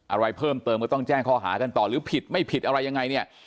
อะไรเพิ่มเติมก็ต้องแจ้งข้อหากันต่อหรือผิดไม่ผิดอะไรยังไงเนี่ย